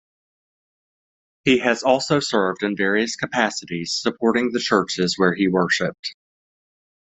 He has also served in various capacities supporting the churches where he worshiped.